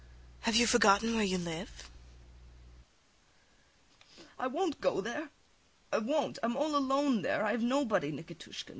Have you forgotten where you live? SVIETLOVIDOFF. I won't go there. I won't! I am all alone there. I have nobody, Nikitushka!